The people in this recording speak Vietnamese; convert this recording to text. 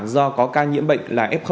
do có ca nhiễm bệnh là f